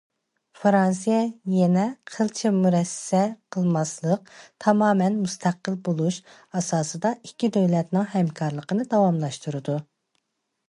فىرانسىيە يەنە قىلچە مۇرەسسە قىلماسلىق، تامامەن مۇستەقىل بولۇش ئاساسىدا ئىككى دۆلەتنىڭ ھەمكارلىقىنى داۋاملاشتۇرىدۇ.